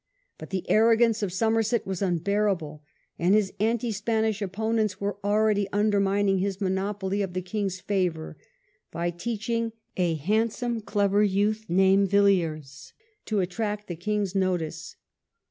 But the arrogance of Somerset was unbearable, and his anti Spanish opponents were already undermining his monopoly of the king's favour, by teaching a handsome, clever youth named Villiers to attract the king's notice.